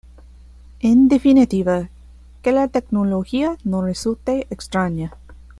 En definitiva, que la tecnología no resulte extraña.